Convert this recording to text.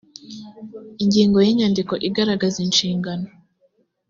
ingingo ya inyandiko igaragaza inshingano